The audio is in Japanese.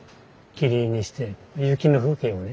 切り絵にして雪の風景をね。